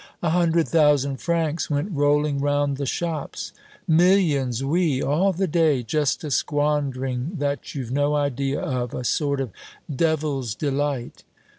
"A hundred thousand francs went rolling round the shops." "Millions, oui. All the day, just a squandering that you've no idea of, a sort of devil's delight."